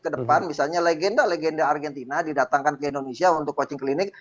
kedepan misalnya legenda legenda argentina didatangkan ke indonesia untuk coaching clinic